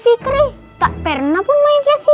fikri tak pernah pun main kesini